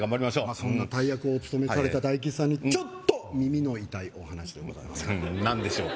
そんな大役をお務めされた大吉さんにちょっと耳の痛いお話でございますが何でしょうか？